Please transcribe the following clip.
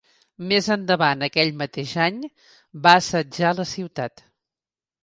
Més endavant aquell mateix any, va assetjar la ciutat.